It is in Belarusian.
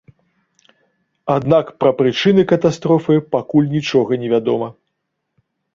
Аднак пра прычыны катастрофы пакуль нічога невядома.